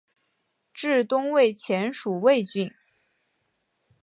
至东魏前属魏郡。